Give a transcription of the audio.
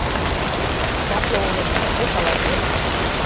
— Чапле улметшым кузе палаш гын?